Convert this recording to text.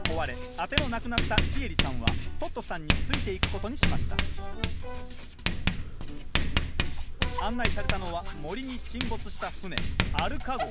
当てのなくなったシエリさんはトットさんについていくことにしました案内されたのは森に沈没した船